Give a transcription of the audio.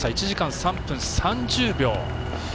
１時間３分３０秒。